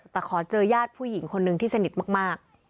แต่ขอเจอญาติผู้หญิงคนนึงที่สนิทมาก